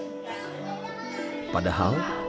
padahal pada awal pembelajaran